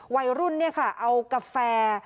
วัยรุ่นเอากาแฟ